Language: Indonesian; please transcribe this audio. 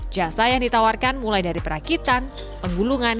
jasa yang ditawarkan mulai dari perakitan penggulungan